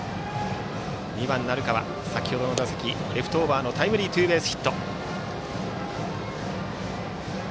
２番、鳴川、先程の打席はレフトオーバーのタイムリーツーベースヒット。